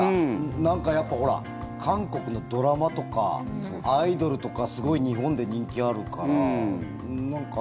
なんかやっぱ、ほら韓国のドラマとかアイドルとかすごい日本で人気あるからなんかね。